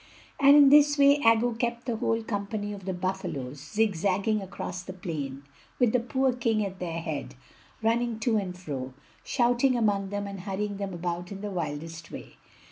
And in this way Aggo kept the whole company of the buffalos zigzagging across the plain, with the poor king at their head, running to and fro, shouting among them and hurrying them about in the wildest way.